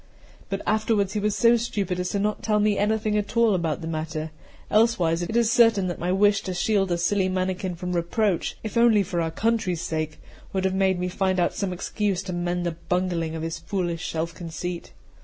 But afterwards he was so stupid as not to tell me anything at all about the matter; elsewise, it is certain that my wish to shield a silly mannikin from reproach, if only for our country's sake, would have made me find out some excuse to mend the bungling of his foolish self conceit.